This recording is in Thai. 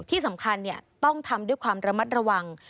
ที่สำคัญต้องทำด้วยความระมัดระวัง